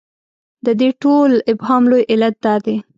د دې ټول ابهام لوی علت دا دی.